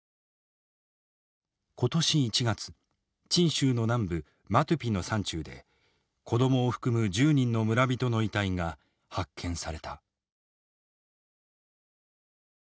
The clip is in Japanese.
今年１月チン州の南部マトゥピの山中で子供を含む１０人の村人の遺体が発見された。